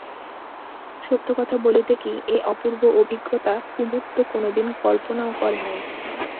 সত্য কথা বলিতে কি, এ অপূর্ব অভিজ্ঞতা কুমুদ তো কোনোদিন কল্পনাও করে নাই।